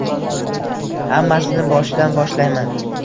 Hammasini boshidan boshlayman